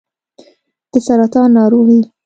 د سرطان ناروغي